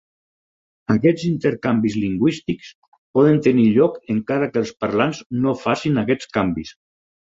Aquests intercanvis lingüístics poden tenir lloc encara que els parlants no facin aquests canvis.